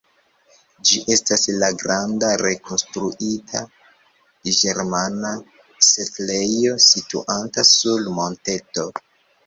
Ĝi estas la granda rekonstruita ĝermana setlejo situanta sur monteto.